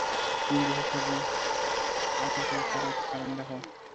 তুমি বেচে থাকবে আমাকে তার একটা কারণ দেখাও।